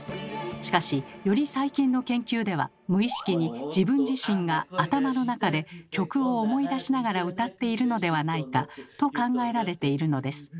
しかしより最近の研究では無意識に自分自身が頭の中で曲を思い出しながら歌っているのではないかと考えられているのです。